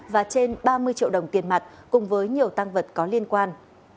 và trên ba mươi triệu đồng tiền mặt cùng với nhiều tăng vật có liên quan